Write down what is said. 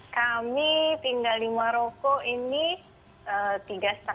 kami tinggal di maroko ini tiga lima tahun